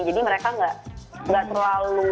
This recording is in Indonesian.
jadi mereka nggak terlalu